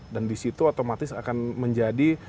dan disitu otomatis akan menjadi